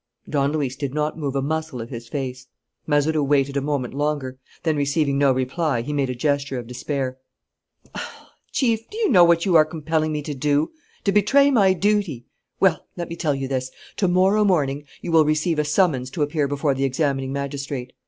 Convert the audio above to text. Don Luis did not move a muscle of his face. Mazeroux waited a moment longer. Then, receiving no reply, he made a gesture of despair. "Chief, do you know what you are compelling me to do? To betray my duty. Well, let me tell you this: to morrow morning you will receive a summons to appear before the examining magistrate.